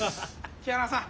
木原さん